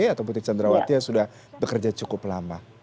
atau putri candrawati yang sudah bekerja cukup lama